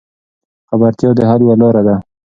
خبرتیا د حل یوه لار ده.